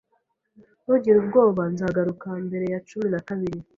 Ntugire ubwoba, nzagaruka mbere ya cumi na kabiri.